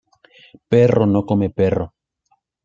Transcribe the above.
Perro no come perro